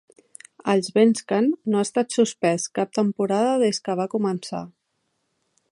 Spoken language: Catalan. Allsvenskan no ha estat suspès cap temporada des que va començar.